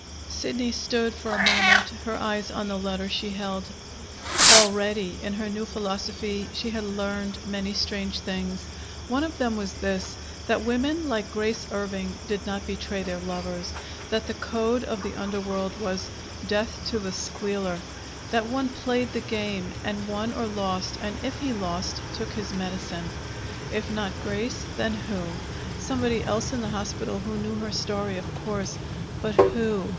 Sidney stood for a moment, her eyes on the letter she held. Already, in her new philosophy, she had learned many strange things. One of them was this: that women like Grace Irving did not betray their lovers; that the code of the underworld was "death to the squealer"; that one played the game, and won or lost, and if he lost, took his medicine. If not Grace, then who? Somebody else in the hospital who knew her story, of course. But who?